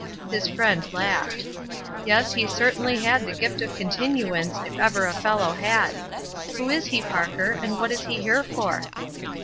His friend laughed. "Yes, he certainly had the 'gift of continuance' if ever a fellow had. Who is he, Parker, and what is he here for?"